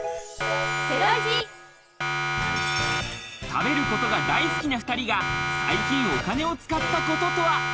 食べる事が大好きな２人が最近お金を使ったこととは？